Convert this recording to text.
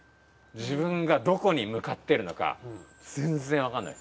自分がどこに向かってるのか全然分かんない。